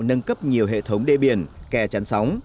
nâng cấp nhiều hệ thống đê biển kè chắn sóng